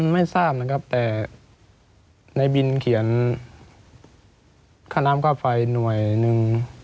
ไม่ทราบนะครับแต่ในบินเขียนค่าน้ำค่าไฟหน่วยหนึ่ง